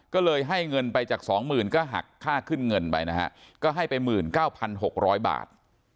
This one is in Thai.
ก็เลยให้เงินไปจาก๒๐๐๐ก็หักค่าขึ้นเงินไปนะฮะก็ให้ไป๑๙๖๐๐บาท